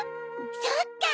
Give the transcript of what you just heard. そっか！